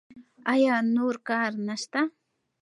ایا نور کار نشته؟